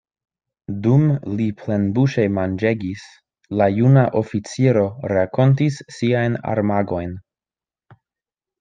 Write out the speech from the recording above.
Dum li plenbuŝe manĝegis, la juna oficiro rakontis siajn armagojn.